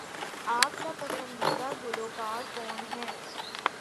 آپ کا پسندیدہ گلوکار کون ہے؟